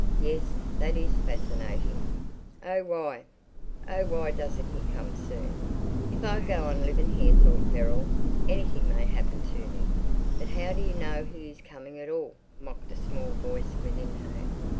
Yes, that is fascinating.... Oh why, oh why doesn't "he" come soon? If I go on living here, thought Beryl, anything may happen to me. "But how do you know he is coming at all?" mocked a small voice within her.